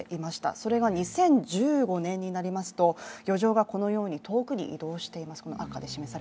それが２０１５年になりますと漁場が遠くに移動しています。